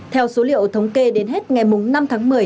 theo số liệu thống kê đến hết ngày năm tháng một mươi